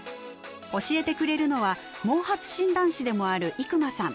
教えてくれるのは毛髪診断士でもある伊熊さん。